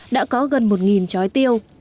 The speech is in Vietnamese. đã có gần một trói tiêu